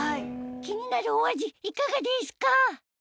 気になるお味いかがですか？